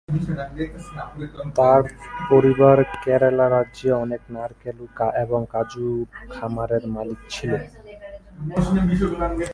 তাঁর পরিবার কেরালা রাজ্যে অনেক নারকেল এবং কাজু খামারের মালিক ছিল।